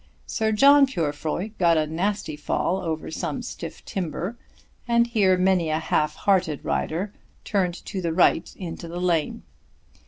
Sir John Purefoy got a nasty fall over some stiff timber, and here many a half hearted rider turned to the right into the lane.